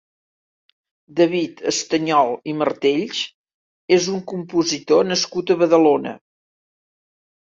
David Estañol i Martells és un compositor nascut a Badalona.